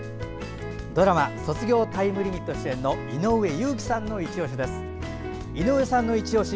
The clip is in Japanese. ドラマ「卒業タイムリミット」主演の井上祐貴さんのいちオシ。